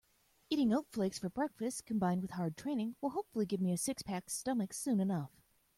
Eating oat flakes for breakfast combined with hard training will hopefully give me a six-pack stomach soon enough.